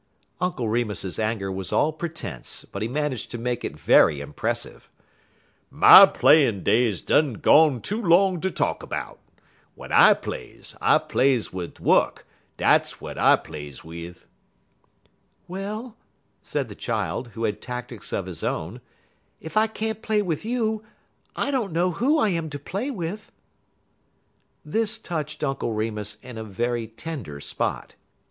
Uncle Remus's anger was all pretence, but he managed to make it very impressive. "My playin' days done gone too long ter talk 'bout. When I plays, I plays wid wuk, dat w'at I plays wid." "Well," said the child, who had tactics of his own, "if I can't play with you, I don't know who I am to play with." This touched Uncle Remus in a very tender spot.